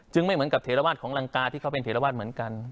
ไม่เหมือนกับเถระวาสของรังกาที่เขาเป็นเทรวาสเหมือนกัน